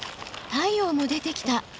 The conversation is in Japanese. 太陽も出てきた。